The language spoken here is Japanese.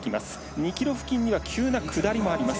２ｋｍ付近には急な下りがあります。